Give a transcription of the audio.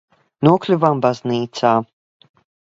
Nokļuvām baznīcā.